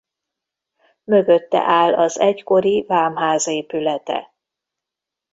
Mögötte áll az egykori vámház épülete.